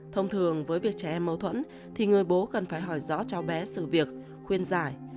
thông thường với việc trẻ em mâu thuẫn thì người bố cần phải hỏi rõ cháu bé sự việc khuyên giải